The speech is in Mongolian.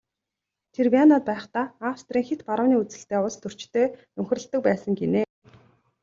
Тэр Венад байхдаа Австрийн хэт барууны үзэлтэй улстөрчтэй нөхөрлөдөг байсан гэнэ.